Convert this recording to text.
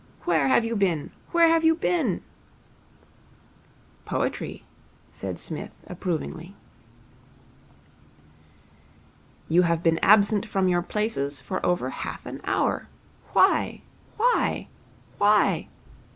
'Where have you been? Where have you been?' 'Poetry,' said Psmith approvingly. 'You have been absent from your places for over half an hour. Why? Why? Why?